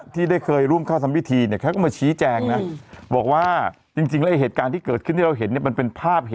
ทำพิธีอะไรกัน